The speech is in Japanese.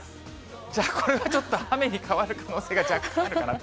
じゃ、これはちょっと雨に変わる可能性が若干あるかなと。